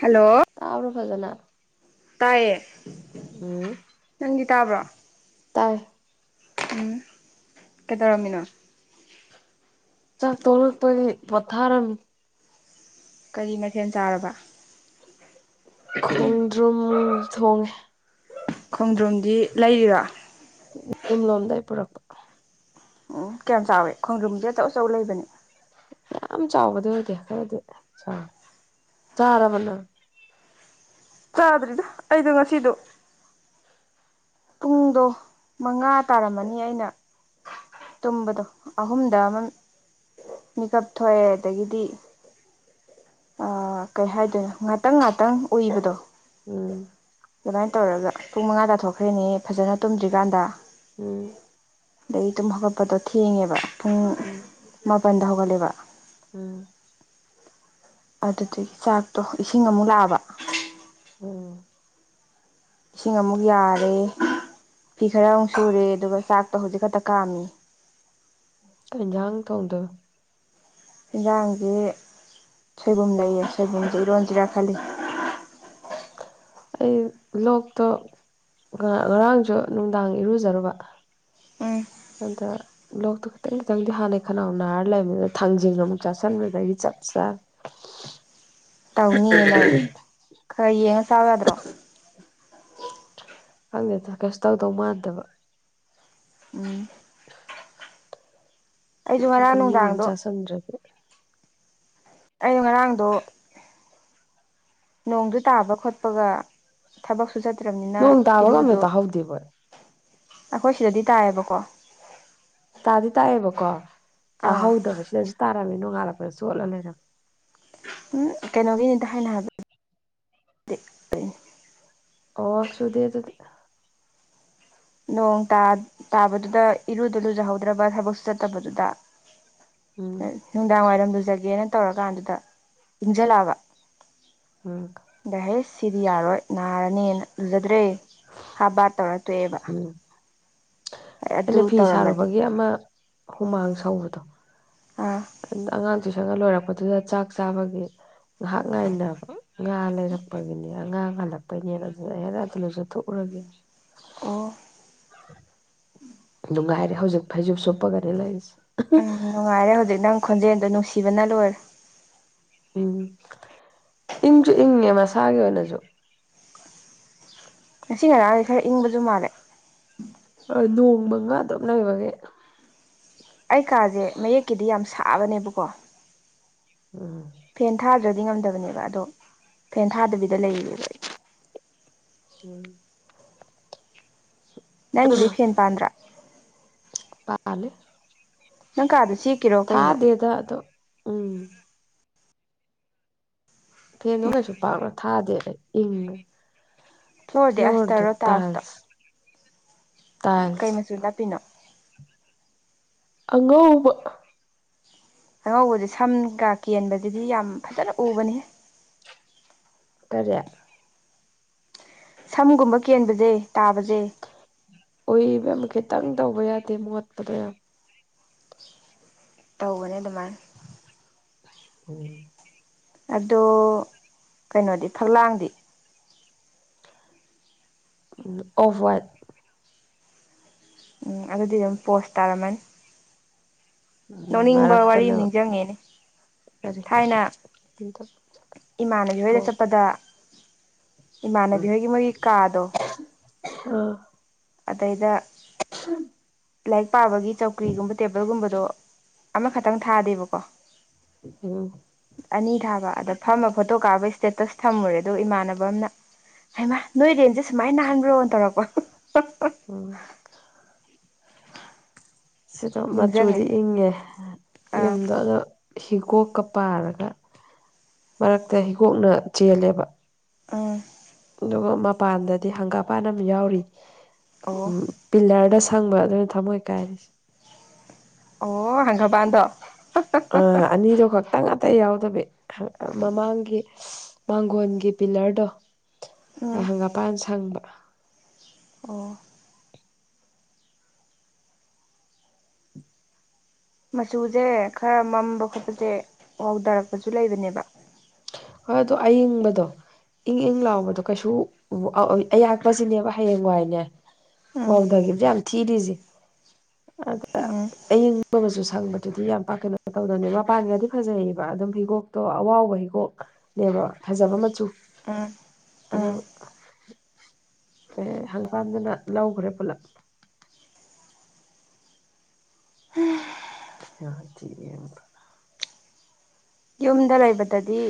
hello ꯇꯥꯕꯔꯣ ꯐꯖꯅ ꯇꯥꯏꯌꯦ ꯎꯝ ꯅꯪꯗꯤ ꯇꯥꯕ꯭ꯔꯣ ꯇꯥꯏ ꯎꯝ ꯀꯩꯗꯧꯔꯝꯃꯤꯅꯣ ꯆꯥꯛ ꯇꯣꯛꯂꯛꯄꯒꯤ ꯄꯣꯠꯊꯥꯔꯝꯃꯤ ꯀꯔꯤ ꯃꯊꯦꯟ ꯆꯥꯔꯕ ꯈꯣꯡꯗ꯭ꯔꯨꯝ ꯊꯣꯡꯉꯦ ꯈꯣꯡꯗ꯭ꯔꯨꯝꯗꯤ ꯂꯩꯔꯤꯔꯣ ꯌꯨꯝ ꯂꯣꯝꯗꯩ ꯄꯨꯔꯛꯄ ꯎꯝ ꯀꯌꯥꯝ ꯆꯥꯎꯋꯦ ꯈꯣꯡꯗꯔꯨꯝꯁꯦ ꯑꯆꯧ ꯑꯆꯧ ꯂꯩꯕꯅꯦ ꯌꯥꯝ ꯆꯥꯎꯕꯗꯤ ꯑꯣꯏꯗꯦ ꯈꯔꯗꯤ ꯆꯥꯎꯔꯦ ꯆꯥꯔꯕ ꯅꯪ ꯆꯥꯗ꯭ꯔꯤꯗ ꯑꯩꯗꯣ ꯉꯁꯤꯗꯣ ꯄꯨꯡꯗꯣ ꯃꯉꯥ ꯇꯥꯔꯝꯃꯅꯤ ꯑꯩꯅ ꯇꯨꯝꯕꯗꯣ ꯑꯍꯨꯝꯗ ꯑꯃ ꯃꯤꯀꯞ ꯊꯣꯛꯑꯦ ꯑꯗꯒꯤꯗꯤ ꯑ ꯀꯩ ꯍꯥꯏꯗꯣꯏꯅꯣ ꯉꯥꯛꯇꯪ ꯉꯥꯛꯇꯪ ꯎꯏꯕꯗꯣ ꯎꯝ ꯑꯗꯨꯃꯥꯏꯅ ꯇꯧꯔꯒ ꯄꯨꯡ ꯃꯉꯥ ꯇꯥꯊꯣꯛꯈ꯭ꯔꯦꯅꯦ ꯐꯖꯅ ꯇꯨꯝꯗ꯭ꯔꯤꯀꯥꯟꯗ ꯎꯝ ꯑꯗꯒꯤ ꯇꯨꯝ ꯍꯧꯒꯠꯄꯗꯣ ꯊꯦꯡꯉꯦꯕ ꯄꯨꯡ ꯎꯝ ꯃꯥꯄꯟꯗ ꯍꯧꯒꯠꯂꯦꯕ ꯎꯝ ꯑꯗꯨꯗꯨꯒꯤ ꯆꯥꯛꯇꯣ ꯏꯁꯤꯡ ꯑꯃꯨꯛ ꯂꯥꯛꯑꯕ ꯎꯝ ꯏꯁꯤꯡ ꯑꯃꯨꯛ ꯌꯥꯔꯦ ꯐꯤ ꯈꯔ ꯑꯃꯨꯛ ꯁꯨꯔꯦ ꯑꯗꯨꯒ ꯆꯥꯛꯇꯣ ꯍꯧꯖꯤꯛ ꯈꯛꯇ ꯀꯥꯝꯃꯤ ꯀꯩ ꯏꯟꯁꯖꯥꯡ ꯊꯣꯡꯗꯣꯏꯕ ꯍꯤꯟꯖꯥꯡꯗꯤ ꯁꯣꯏꯕꯨꯝ ꯂꯩꯌꯦ ꯁꯣꯏꯕꯨꯝꯖꯦ ꯏꯔꯣꯟꯁꯤꯔ ꯈꯜꯂꯤ ꯑꯩ ꯂꯣꯛꯇꯣ ꯉꯔꯥꯡꯖꯨ ꯅꯨꯡꯗꯥꯡ ꯏꯔꯨꯖꯔꯨꯕ ꯎꯝ ꯑꯗ ꯂꯣꯛꯇꯣ ꯈꯤꯇꯪ ꯈꯤꯇꯪꯗꯤ ꯍꯥꯟꯅꯩ ꯈꯅꯥꯎ ꯅꯥꯔ ꯂꯩꯕꯗꯨꯗ ꯊꯥꯡꯖꯤꯡ ꯑꯃꯨꯛ ꯆꯥꯁꯟꯕꯗꯩꯗꯤ ꯆꯞ ꯆꯥ [inaudible] ꯇꯧꯅꯤꯌꯦ ꯅꯪ ꯈꯔ ꯌꯦꯡꯉ ꯆꯥꯎ ꯋꯥꯗ꯭ꯔꯣ [inaudible] ꯈꯪꯗꯦꯗ ꯀꯩꯁꯨ ꯇꯧꯗꯧ ꯃꯥꯟꯗꯕ ꯎꯝ ꯑꯩꯁꯨ ꯉꯔꯥꯡ ꯒꯨꯂꯤ ꯑꯝ ꯅꯨꯡꯗꯥꯡꯗꯣ ꯆꯁꯟꯗ꯭ꯔꯗꯤ ꯑꯩ ꯉꯔꯥꯡꯗꯣ ꯅꯣꯡꯗꯨ ꯇꯥꯕ ꯈꯣꯠꯄꯒ ꯊꯕꯛꯁꯨ ꯆꯠꯇ꯭ꯔꯝꯅꯤꯅ ꯅꯣꯡ ꯇꯥꯕꯒ ꯑꯝꯇ ꯏꯔꯨꯗꯣ ꯇꯥꯍꯧꯗꯦꯕꯣꯏ ꯑꯩꯈꯣꯏ ꯁꯤꯗꯗꯤ ꯇꯥꯏꯌꯦꯕꯀꯣ ꯇꯥꯗꯤ ꯇꯥꯛꯑꯦꯕꯀꯣ ꯑꯥ ꯇꯥꯍꯧꯗꯕ ꯁꯤꯗꯁꯨ ꯇꯥꯔꯝꯃꯦ ꯅꯣꯡꯉꯥꯜꯂꯛꯄꯗ ꯆꯣꯠꯂ ꯂꯩꯔꯝꯃꯦ ꯎꯝ ꯀꯩꯅꯣꯒꯤꯅꯤꯗ ꯑꯩꯅ ꯍꯥꯏꯕ [unintelligible] ꯑꯣ ꯁꯨꯗꯦ ꯑꯗꯨꯗꯤ ꯅꯣꯡ ꯇꯥ ꯇꯥꯕꯗꯨꯗ ꯏꯔꯨꯗꯨ ꯂꯨꯖꯍꯧꯗ꯭ꯔꯕ ꯊꯕꯛꯁꯨ ꯆꯠꯇꯕꯗꯨꯗ ꯎꯝ ꯅꯨꯡꯗꯥꯡ ꯋꯥꯏꯔꯝ ꯂꯨꯖꯒꯦꯅ ꯇꯧꯔꯀꯥꯟꯗꯨꯗ ꯏꯡꯖꯜꯂꯛꯑꯕ ꯎꯝ ꯑꯗ ꯍꯩꯁ ꯁꯤꯗꯤ ꯌꯥꯔꯣꯏ ꯅꯥꯔꯅꯤꯅ ꯂꯨꯖꯗ꯭ꯔꯦ ꯍꯥꯞ ꯕꯥꯠ ꯇꯧꯔ ꯇꯣꯛꯑꯦꯕ ꯎꯝ ꯑꯗꯨ ꯑꯩꯅ ꯐꯤ ꯇꯧꯔꯝꯃꯗꯤ ꯁꯥꯔꯨꯕꯒꯤ ꯑꯃ ꯍꯨꯃꯥꯡ ꯁꯧꯕꯗꯣ ꯑꯥ ꯑꯉꯥꯡ ꯇꯨꯁꯟꯒ ꯂꯣꯏꯔꯛꯄꯗꯨꯗ ꯆꯥꯛ ꯆꯥꯕꯒꯤ ꯉꯥꯍꯥꯛ ꯉꯥꯏꯅꯕ ꯉꯥ ꯂꯩꯔꯛꯄꯒꯤꯅꯦ ꯑꯉꯥꯡ ꯉꯜꯂꯛꯄꯩꯅꯦꯅ ꯑꯗꯨꯅ ꯍꯦꯔꯥ ꯑꯗ ꯂꯨꯖꯊꯣꯛ ꯎꯔꯒꯦ ꯑꯣ ꯅꯨꯡꯉꯥꯏꯔꯦ ꯍꯧꯖꯤꯛ ꯐꯩꯖꯨꯞ ꯁꯨꯞꯄꯒꯅꯦ ꯂꯩꯔꯤꯁꯦ ꯎꯝ ꯅꯨꯡꯉꯥꯏꯔꯦ ꯍꯧꯖꯤꯛ ꯅꯪ ꯈꯣꯟꯖꯦꯟꯗꯣ ꯅꯨꯡꯁꯤꯕꯅ ꯂꯣꯏꯔꯦ ꯎꯝ ꯏꯪꯖꯨ ꯏꯪꯉꯦ ꯃꯁꯥꯒꯤ ꯑꯣꯏꯅꯁꯨ ꯉꯁꯤ ꯉꯔꯥꯡꯖꯦ ꯈꯔ ꯏꯪꯕꯖꯨ ꯃꯥꯜꯂꯦ ꯅꯣꯡ ꯃꯪꯉꯥ ꯑꯗꯨꯝ ꯂꯩꯕꯒꯤ ꯑꯩ ꯀꯥꯖꯦ ꯃꯌꯦꯛꯀꯤꯗꯤ ꯌꯥꯝ ꯁꯥꯕꯅꯦꯕꯀꯣ ꯎꯝ ꯐꯦꯟ ꯊꯥꯗ꯭ꯔꯗꯤ ꯉꯝꯗꯕꯅꯦꯕ ꯑꯗꯣ ꯐꯦꯟ ꯊꯥꯗꯕꯤꯗ ꯂꯩꯌꯦꯕ ꯑꯩ ꯎꯝ ꯅꯪꯒꯤꯗꯤ ꯐꯦꯟ ꯄꯥꯟꯗ꯭ꯔꯥ ꯄꯥꯥꯜꯂꯤ ꯅꯪ ꯀꯥꯗꯣ ꯆꯦꯛꯀꯤꯔꯣ ꯀꯩꯅꯣ ꯅꯠꯇꯦꯗ ꯑꯗꯣ ꯎꯝ ꯐꯦꯟꯗꯣ ꯀꯩꯁꯨ ꯄꯥꯛꯅ ꯊꯥꯗꯦ ꯑꯩ ꯏꯪꯉꯦ ꯐ꯭ꯂꯣꯔꯗꯤ ꯐ꯭ꯂꯣꯔꯗ ꯑꯁꯇꯔꯣ ꯇꯥꯏꯜꯁꯇꯣ ꯇꯥꯢꯜꯁ ꯀꯩ ꯃꯆꯨ ꯅꯞꯄꯤꯅꯣ ꯑꯉꯧꯕ ꯑꯉꯧꯕꯖꯦ ꯁꯝꯒ ꯀꯦꯟꯕꯗꯗꯤ ꯌꯥꯝ ꯐꯖꯅ ꯎꯕꯅꯤꯍꯦ ꯀꯔꯤ ꯁꯝꯒꯨꯝꯕ ꯀꯦꯟꯕꯖꯦ ꯇꯥꯕꯖꯦ ꯎꯨꯢ ꯢꯕꯦꯝꯃꯥ ꯈꯤꯇꯪ ꯇꯧꯕ ꯌꯥꯗꯦ ꯃꯣꯠꯄꯗꯣ ꯌꯥꯝ ꯇꯧꯕꯅꯦ ꯑꯗꯨꯃꯥꯏꯅ ꯎꯝ ꯑꯗꯣ ꯀꯩꯅꯣꯗꯤ ꯐꯛꯂꯥꯡꯗꯤ ꯑꯣꯐ ꯋꯥꯠ ꯎꯝ ꯑꯗꯨꯗꯤ ꯑꯗꯨꯝ ꯄꯣꯁ ꯇꯥꯔꯝꯃꯅꯤ ꯅꯣꯛꯅꯤꯡꯕ ꯋꯥꯔꯤ ꯃꯔꯛꯇꯅ ꯑꯃ ꯅꯤꯡꯁꯤꯡꯉꯦꯅꯦ ꯀꯔꯤ ꯊꯥꯏꯅ ꯏꯃꯥꯟꯅꯕꯤ ꯊꯣꯛ ꯍꯣꯏꯗ ꯆꯠꯄꯗ ꯏꯃꯥꯟꯅꯕꯤ ꯍꯣꯏꯒꯤ ꯃꯣꯏꯒꯤ ꯀꯥꯗꯣ ꯑꯣ ꯑꯗꯩꯗ [inaudible] ꯂꯥꯏꯔꯤꯛ ꯄꯥꯕꯒꯤ ꯆꯧꯀ꯭ꯔꯤꯒꯨꯝꯕ ꯇꯦꯕꯜꯒꯨꯝꯕꯗꯣ ꯑꯃꯈꯛꯇꯪ ꯊꯥꯗꯦꯕꯀꯣ ꯎꯝ ꯑꯅꯤ ꯊꯥꯕ ꯑꯗ ꯐꯝꯃ ꯐꯣꯇꯣ ꯀꯥꯞꯄꯩ ꯁꯇꯦꯇꯁ ꯊꯝꯃꯨꯔꯦ ꯑꯗꯣ ꯏꯃꯥꯟꯅꯕ ꯑꯃꯅ ꯍꯩꯏꯃꯥ ꯅꯣꯏ ꯔꯦꯟꯁꯦ ꯁꯨꯃꯥꯏꯅ ꯅꯥꯍꯟꯕ꯭ꯔꯣꯅ ꯇꯧꯔꯛꯄ ꯎꯝ ꯁꯤꯗꯣ ꯅꯤꯡꯁꯤꯡꯉꯦ ꯃꯆꯨꯗꯤ ꯏꯪꯉꯦ ꯑꯥ ꯌꯨꯝꯗꯣ ꯑꯗꯣ ꯍꯤꯒꯣꯛꯀ ꯄꯥꯔꯒ ꯃꯔꯛꯇ ꯍꯤꯒꯣꯛꯅ ꯆꯦꯜꯂꯦꯕ ꯑꯥ ꯑꯗꯨꯒ ꯃꯄꯥꯟꯗꯗꯤ ꯍꯪꯒꯥꯄꯥꯟ ꯑꯃ ꯌꯥꯎꯔꯤ ꯑꯣ ꯎꯝ ꯄꯤꯜꯂꯔꯗ ꯁꯪꯕ ꯑꯗꯨꯅ ꯊꯝꯃꯣꯏ ꯀꯥꯏꯔꯤꯁꯦ ꯑꯣ ꯁꯥꯡꯒꯄꯥꯟꯗꯣ ꯑꯥ ꯑꯅꯤꯗꯣ ꯈꯛꯇꯪ ꯑꯇꯩ ꯌꯥꯎꯗꯕꯤ ꯃꯃꯥꯡꯒꯤ ꯃꯥꯡꯒꯣꯟꯒꯤ ꯄꯤꯂꯔꯗꯣ ꯎꯝ ꯍꯪꯒꯥꯄꯥꯟ ꯁꯪꯕ ꯑꯣ ꯃꯆꯨꯁꯦ ꯈꯔ ꯃꯝꯕ ꯈꯣꯠꯄꯁꯦ ꯍꯥꯎꯊꯔꯛꯄꯁꯨ ꯂꯩꯕꯅꯦꯕ ꯍꯣꯏꯗꯣ ꯑꯏꯪꯕꯗꯣ ꯏꯪ ꯏꯪ ꯂꯥꯎꯕꯗꯣ ꯀꯩꯁꯨ ꯑꯌꯥꯛꯄꯁꯤꯅꯦꯕ ꯍꯌꯦꯡꯋꯥꯏꯅꯦ ꯎꯝ ꯋꯥꯥꯎꯗꯒꯤꯗ ꯌꯥꯝ ꯊꯤꯔꯤꯁꯤ ꯑ ꯎꯝ ꯑꯌꯤꯡꯒꯁꯨ ꯁꯪꯕꯗꯨꯗꯤ ꯌꯥꯝ ꯄꯥꯛꯀꯩꯅꯣ ꯇꯧꯗꯅꯦ ꯃꯄꯥꯟꯒꯗꯤ ꯐꯖꯩꯕ ꯑꯗꯨꯝ ꯐꯤꯒꯣꯛ ꯑꯣ ꯑꯋꯥꯕ ꯍꯤꯀꯣꯛꯅꯦꯕ ꯐꯖꯕ ꯃꯆꯨ ꯎꯝ ꯑꯗꯨ ꯎꯝ ꯀ ꯍꯪꯐꯝꯗꯨꯅ ꯂꯧꯈ꯭ꯔꯦ ꯄꯨꯂꯞ [inaudible] ꯌꯨꯝꯗ ꯂꯩꯕꯗꯗꯤ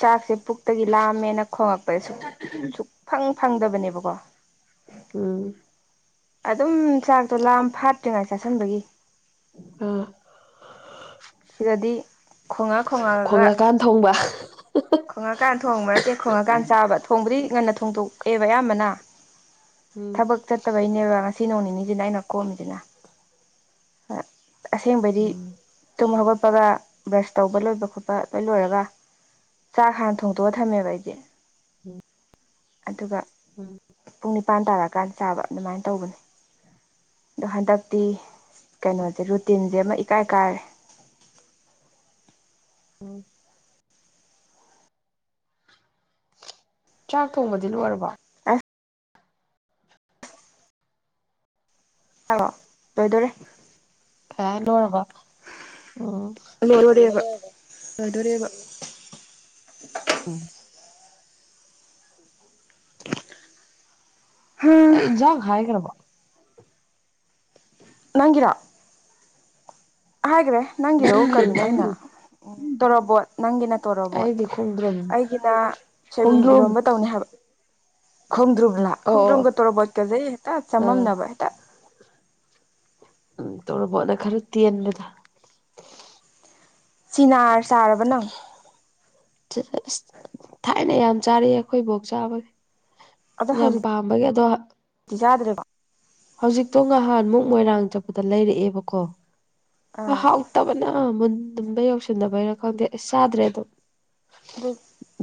ꯆꯥꯛꯁꯦ ꯄꯨꯛꯇꯒꯤ ꯂꯥꯑꯝꯃꯦꯅ ꯈꯣꯡꯉꯛꯄꯗ ꯁꯛ ꯁꯨꯛ ꯐꯪ ꯐꯪꯗꯕꯅꯦꯕꯀꯣ ꯎꯝ ꯑꯗꯨꯝ ꯆꯥꯛꯇꯣ ꯂꯥꯝ ꯐꯥꯠꯇ꯭ꯔꯤꯉꯥꯏ ꯆꯥꯥꯁꯟꯕꯒꯤ ꯎꯝ ꯁꯤꯗꯗꯤ ꯈꯣꯡꯉ ꯈꯣꯡꯉꯑꯒ ꯈꯣꯡꯉꯀꯥꯟ ꯊꯣꯡꯕ ꯈꯣꯡꯉꯀꯥꯟ ꯊꯣꯡꯕ ꯅꯠꯇꯦ ꯈꯣꯡꯉꯀꯥꯟ ꯆꯥꯕ ꯊꯣꯡꯕꯗꯤ ꯉꯟꯅ ꯊꯣꯡꯗꯣꯛꯑꯦꯕ ꯑꯌꯥꯝꯕꯅ ꯎꯝ ꯊꯕꯛ ꯆꯠꯇꯕꯩꯅꯦꯕ ꯉꯁꯤ ꯅꯣꯡ ꯅꯤꯅꯤꯁꯤꯅ ꯑꯩꯅ ꯀꯣꯝꯃꯤꯁꯤꯅ ꯍꯣꯏ ꯑꯁꯦꯡꯕꯗꯤ ꯎꯝ ꯇꯨꯝ ꯍꯧꯒꯠꯄꯒ ꯕ꯭ꯔꯁ ꯇꯧꯕ ꯂꯣꯏꯕ ꯈꯣꯠꯄ ꯂꯣꯏ ꯂꯣꯏꯔꯒ ꯆꯥꯛ ꯍꯥꯟ ꯊꯣꯡꯇꯣꯛꯑ ꯊꯝꯃꯦꯕ ꯑꯩꯁꯦ ꯎꯝ ꯑꯗꯨꯒ ꯎꯝ ꯄꯨꯡ ꯅꯤꯄꯥꯟ ꯇꯥꯔꯛꯑꯀꯥꯟꯗ ꯆꯥꯕ ꯑꯗꯨꯃꯥꯏꯅ ꯇꯧꯕꯅꯦ ꯑꯗꯣ ꯍꯟꯗꯛꯇꯤ ꯀꯩꯅꯣꯁꯦ ꯔꯨꯇꯤꯟꯁꯦ ꯑꯃ ꯏꯀꯥꯏ ꯀꯥꯏꯔꯦ ꯎꯝ ꯆꯥꯛ ꯊꯣꯡꯕꯗꯤ ꯂꯣꯏꯔꯕꯣ ꯑꯁ [inaudible] ꯂꯣꯏꯗꯣꯔꯦ [unintelligible] ꯂꯣꯏꯔꯕ ꯎꯝ [inaudible] ꯂꯣꯏꯗꯣꯔꯦꯕ ꯎꯝ ꯍꯥ ꯑꯩ ꯏꯟꯖꯥꯡ ꯍꯥꯏꯒ꯭ꯔꯕꯣ ꯅꯪꯒꯤꯔꯣ ꯍꯥꯏꯒ꯭ꯔꯦ ꯅꯪꯒꯤꯗꯣ ꯅꯪꯒꯤ ꯀꯔꯤꯅꯣ ꯑꯩꯅ ꯅꯪꯒꯤ ꯎꯝ ꯇꯣꯔꯣꯕꯣꯠ ꯅꯪꯒꯤꯅ ꯇꯣꯔꯣꯕꯣꯠ ꯑꯩꯗꯤ ꯈꯣꯡꯗ꯭ꯔꯨꯝ ꯑꯩꯒꯤꯅ ꯁꯣꯏꯕꯨꯝ ꯈꯣꯡꯗ꯭ꯔꯨꯝ ꯏꯔꯣꯝꯕ ꯇꯧꯅꯤ ꯍꯥꯏꯕ ꯈꯣꯡꯗ꯭ꯔꯨꯨꯝꯂꯥ ꯑꯣ ꯑꯣ ꯈꯣꯡꯗ꯭ꯔꯨꯨꯝꯒ ꯇꯣꯔꯣꯕꯣꯠꯀꯖꯦ ꯑꯩ ꯍꯦꯛꯇ ꯑꯥ ꯆꯃꯝꯅꯕ ꯍꯦꯛꯇ ꯎꯝ ꯇꯣꯔꯣꯕꯣꯠꯅ ꯈꯔ ꯇꯦꯟꯕꯗꯣ ꯆꯤꯅꯥꯔ ꯆꯥꯔꯕ ꯅꯪ ꯊꯥꯏꯅ ꯌꯥꯝ ꯆꯥꯔꯛꯑꯦ ꯑꯩꯈꯣꯏ ꯏꯕꯣꯛ ꯆꯥꯕꯒꯤ ꯌꯥꯝ ꯄꯥꯝꯕꯒꯤ ꯑꯗꯣ ꯖꯥꯗ꯭ꯔꯤꯕꯣ ꯍꯧꯖꯤꯛꯇꯣ ꯉꯍꯥꯟꯃꯨꯛ ꯃꯣꯏꯔꯥꯡ ꯆꯠꯄꯗ ꯂꯩꯔꯛꯑꯦꯕꯀꯣ ꯑꯥꯎ ꯑꯥ ꯐꯠꯇꯕꯅ [unintelligible] ꯌꯧꯁꯤꯟꯅꯕꯩꯔ ꯈꯪꯗꯦ ꯑꯁ ꯆꯥꯗ꯭ꯔꯦ ꯑꯗꯨꯝ ꯑꯗꯨ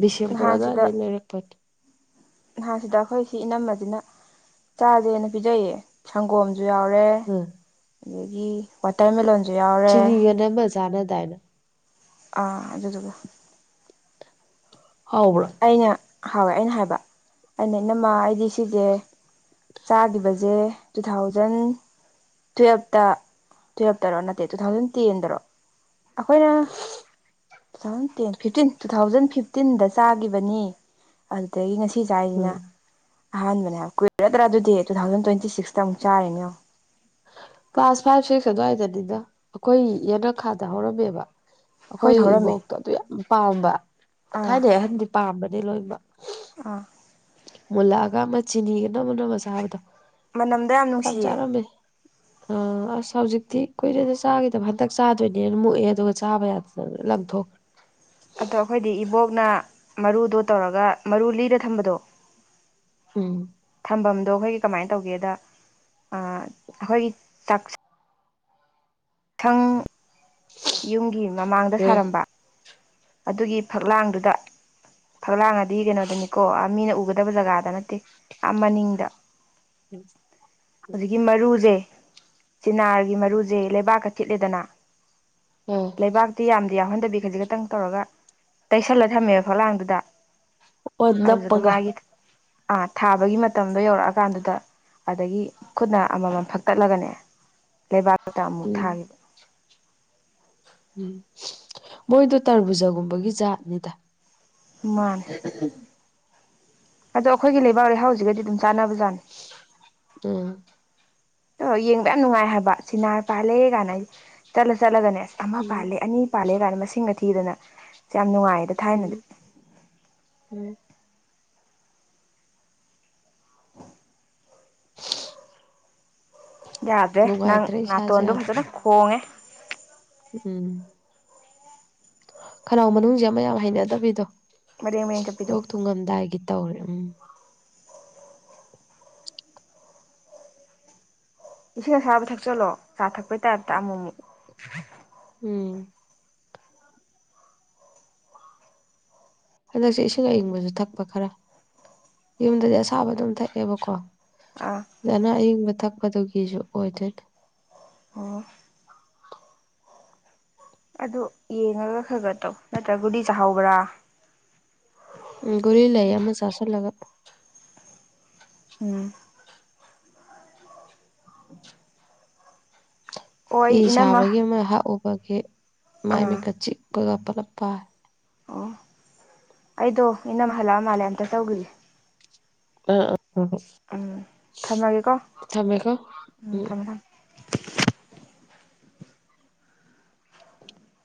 ꯕꯤꯁꯦꯝꯄꯨꯔ ꯑꯗ꯭ꯋꯥꯏꯗꯩꯩ ꯂꯩꯔꯛꯄꯅꯤ ꯅꯍꯥꯟ ꯁꯤꯗ ꯑꯩꯈꯣꯏ ꯁꯤ ꯏꯅꯝꯃꯖꯤꯅ ꯆꯥꯖꯦꯅ ꯄꯤꯖꯩꯌꯦ ꯁꯪꯒꯣꯝ ꯖꯨ ꯌꯥꯎꯔꯦ ꯎꯝ ꯑꯗꯒꯤ ꯋꯥꯇꯔꯃꯦꯜꯂꯣꯟꯖꯨ ꯌꯥꯎꯔꯦ ꯆꯤꯅꯤꯒ ꯅꯝꯃ ꯆꯥꯟꯅꯗꯥꯏꯅ ꯑꯥ ꯑꯗꯨꯗꯨꯒ ꯍꯥꯎꯕ꯭ꯔꯣ ꯑꯩꯅ ꯍꯥꯎꯋꯦ ꯑꯩꯅ ꯍꯥꯏꯕ ꯑꯩꯅ ꯏꯅꯝꯃ ꯑꯩꯗꯤ ꯁꯤꯖꯦ ꯆꯥꯈꯤꯕꯖꯦ ꯇꯨ ꯊꯥꯎꯖꯟ ꯇꯨꯌꯦꯜꯞꯇ ꯇꯨꯌꯦꯞꯇꯔꯣ ꯅꯠꯇꯦ ꯇꯨ ꯊꯥꯎꯖꯟ ꯇꯦꯟꯗꯔꯣ ꯑꯈꯣꯏꯅ two thousand ten fifteen two thousand ꯐꯤꯐꯇꯤꯟꯗ ꯆꯥꯒꯤꯕꯅꯤ ꯑꯗꯩꯩ ꯉꯁꯤ ꯆꯥꯏꯖꯤꯅ ꯎꯝ ꯑꯍꯥꯟꯕꯅꯦ ꯍꯥꯏꯕ ꯀꯨꯏꯔꯗ꯭ꯔ ꯑꯗꯨꯗꯤ ꯇꯨ ꯊꯥꯎꯖꯟ ꯇ꯭ꯋꯦꯟꯇꯤ ꯁꯤꯛꯁꯇꯃꯨꯛ ꯆꯥꯔꯤꯅꯦ ꯌꯦꯡꯉꯣ ꯀ꯭ꯂꯥꯁ ꯐꯥꯏꯚ ꯁꯤꯛꯁ ꯑꯗ꯭ꯋꯥꯏꯗꯅꯤꯗ ꯑꯈꯣꯏ ꯌꯦꯅꯈꯥꯗ ꯍꯧꯔꯝꯃꯦꯕ ꯑꯩꯈꯣꯏꯗꯤ ꯑꯈꯣꯏ ꯍꯧꯔꯝꯃꯦ ꯏꯕꯣꯛꯇꯣ ꯑꯗꯨ ꯌꯥꯝ ꯄꯥꯝꯕ ꯑꯥ ꯊꯥꯏꯅꯩ ꯑꯍꯟꯗꯤ ꯄꯥꯝꯕꯅꯦ ꯂꯣꯏꯃꯛ ꯑꯥ ꯃꯨꯜꯂꯛꯑꯒ ꯑꯃ ꯆꯤꯅꯤꯒ ꯅꯝꯃ ꯅꯝꯃ ꯆꯥꯕꯗꯣ ꯃꯅꯝꯗꯣ ꯌꯥꯝ ꯅꯨꯡꯁꯤꯌꯦ ꯆꯥꯔꯝꯃꯦ ꯑ ꯑꯁ ꯍꯧꯖꯤꯛꯇꯤ ꯀꯨꯏꯔꯦꯗ ꯆꯥꯒꯤꯗꯕ ꯍꯟꯇꯛ ꯆꯥꯗꯣꯏꯅꯦꯅ ꯃꯨꯛꯑꯦ ꯑꯗꯨꯒ ꯆꯥꯕ ꯌꯥꯗꯅ ꯂꯣꯢ ꯂꯪꯊꯣꯛ ꯑꯗ ꯑꯩꯈꯣꯏꯗꯤ ꯏꯕꯣꯛꯅ ꯃꯔꯨꯗꯣ ꯇꯧꯔꯒ ꯃꯔꯨ ꯂꯤꯔ ꯊꯝꯕꯗꯣ ꯎꯝ ꯊꯝꯕꯝꯗꯣ ꯑꯩꯈꯣꯏꯒꯤ ꯀꯃꯥꯏ ꯇꯧꯒꯦꯗ ꯑꯥ ꯑꯩꯈꯣꯏꯒꯤ ꯆꯥꯛꯁ ꯊꯪ ꯌꯨꯝꯒꯤ ꯃꯃꯥꯡꯗ ꯎꯝ ꯁꯥꯔꯝꯕ ꯑꯗꯨꯒꯤ ꯐꯛꯂꯥꯡꯗꯨꯗ ꯐꯛꯂꯥꯡ ꯑꯗꯤ ꯀꯩꯅꯣꯗꯨꯅꯤꯀꯣ ꯑꯥ ꯃꯤꯅ ꯎꯒꯗꯕ ꯖꯒꯥꯗ ꯅꯠꯇꯦ ꯑꯥ ꯃꯅꯤꯡꯗ ꯍꯧꯖꯤꯛꯀꯤ ꯃꯔꯨꯖꯦ ꯆꯤꯅꯥꯔꯒꯤ ꯃꯔꯨꯖꯦ ꯂꯩꯕꯥꯛꯀ ꯊꯤꯠꯂꯦꯗꯅꯥ ꯂꯩꯕꯥꯛꯇꯤ ꯌꯥꯝꯗꯤ ꯌꯥꯎꯍꯟꯗꯕꯤ ꯈꯖꯤꯛꯈꯛꯇꯪ ꯇꯧꯔꯒ ꯇꯩꯁꯜꯂ ꯊꯝꯃꯦꯕ ꯐꯛꯂꯥꯡꯗꯨꯗ ꯑꯣ ꯑꯗꯨꯗꯨꯒ ꯅꯞꯄꯒ ꯃꯥꯒꯤ ꯑꯥ ꯊꯥꯕꯒꯤ ꯃꯇꯝꯗꯣ ꯌꯧꯔꯛꯑꯀꯥꯟꯗꯨꯗ ꯑꯗꯒꯤ ꯈꯨꯠꯅ ꯑꯃꯃꯝ ꯐꯛꯇꯠꯂꯒꯅꯦ ꯂꯩꯕꯥꯛꯇ ꯑꯃꯨꯛ ꯎꯝ ꯊꯥꯒꯤꯕ ꯎꯝ ꯃꯣꯏꯗꯣ ꯇꯔꯕꯨꯖꯒꯨꯝꯕꯒꯤ ꯖꯥꯠꯅꯤꯗ ꯃꯥꯥꯟꯅꯦ [unintelligible] ꯑꯗꯣ ꯑꯩꯈꯣꯏꯒꯤ ꯂꯩꯕꯥꯛ ꯂꯩꯍꯥꯎꯖꯤꯒꯗꯤ ꯑꯗꯨꯝ ꯆꯥꯟꯅꯕꯖꯥꯠꯅꯤ ꯎꯝ ꯑꯣ ꯌꯦꯡꯕ ꯌꯥꯝ ꯅꯨꯡꯉꯥꯏ ꯍꯥꯏꯕ ꯆꯤꯅꯥꯔ ꯄꯥꯜꯂꯦ [unintelligible] ꯆꯠꯂ ꯆꯠꯂꯒꯅꯦ ꯑꯁ ꯑꯃ ꯎꯝ ꯄꯥꯜꯂꯦ ꯑꯅꯤ ꯄꯥꯜꯂꯦ ꯒꯥꯏꯅ ꯃꯁꯤꯡꯒ ꯊꯤꯗꯅ ꯌꯥꯝ ꯅꯨꯡꯉꯥꯏ ꯎꯝ ꯎꯝ [unintelligible] ꯌꯥꯗ꯭ꯔꯦ ꯅꯪ ꯅꯨꯡꯉꯥꯏꯇ꯭ꯔꯦ ꯏꯁꯥꯁꯦ ꯅꯥꯇꯣꯟꯗꯣ ꯌꯥꯝ ꯐꯖꯅ ꯈꯣꯡꯉꯦ ꯎꯝ ꯈꯅꯥꯎ ꯃꯅꯨꯡꯁꯦ ꯑꯃ ꯌꯥꯝ ꯍꯩꯅꯗꯕꯤꯗꯣ ꯃꯔꯦꯡ ꯃꯔꯦꯡ ꯆꯠꯄꯤꯗꯣ ꯂꯣꯛ ꯊꯨꯡꯉꯝꯗꯥꯏꯒꯤ ꯇꯧꯔꯦ ꯎꯝ ꯏꯁꯤꯡ ꯑꯁꯥꯕ ꯊꯛꯆꯜꯂꯣ ꯆꯥ ꯊꯛꯄꯩ ꯇꯥꯏꯞꯇ ꯑꯃꯨꯛ ꯃꯨꯛ ꯎꯝ ꯍꯟꯗꯛꯁꯦ ꯏꯁꯤꯡ ꯑꯏꯪꯕꯖꯨ ꯊꯛꯄ ꯈꯔ ꯌꯨꯝꯗꯗꯤ ꯑꯁꯥꯕ ꯑꯗꯨꯝ ꯊꯛꯑꯦꯕꯀꯣ ꯑꯥ ꯗꯅ ꯑꯌꯤꯡꯕ ꯊꯛꯄꯗꯨꯒꯤꯁꯨ ꯑꯣꯏꯗꯣꯏꯅꯤ ꯑꯣ ꯑꯗꯨ ꯌꯦꯡꯉꯒ ꯈꯔ ꯈꯔ ꯇꯧ ꯅꯠꯇ꯭ꯔ ꯒꯨꯂꯤ ꯆꯥꯍꯧꯕ꯭ꯔꯥ ꯎꯝ ꯒꯨꯂꯤ ꯂꯩꯌꯦ ꯑꯃ ꯆꯥꯁꯜꯂꯒ ꯎꯝ [inaudible] ꯑꯣ ꯐꯤ ꯑꯩ ꯏꯅꯝꯃ ꯁꯥꯕꯒꯤ ꯑꯃ ꯍꯛꯎꯕꯒꯤ ꯃꯥꯏ ꯑꯥ ꯃꯤꯠꯀ ꯆꯤꯛꯄꯒ ꯄꯨꯂꯞ ꯄꯥꯔꯦ ꯑꯣ ꯑꯩꯗꯣ ꯏꯅꯝ ꯍꯜꯂꯛꯑ ꯃꯥꯜꯂꯦ ꯑꯝꯇ ꯆꯧꯈꯤꯒꯦ ꯑ ꯑ ꯍꯣꯏ ꯍꯣꯏ ꯎꯝ ꯊꯝꯃꯒꯦꯀꯣ ꯎꯝ ꯊꯝꯃꯣ ꯊꯝꯃꯣ